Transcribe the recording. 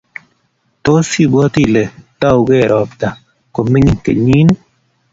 tos ibwoti ile tougei ropta komining kenyini?